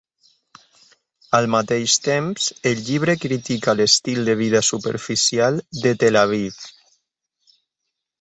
Al mateix temps, el llibre critica l'estil de vida superficial de Tel Aviv.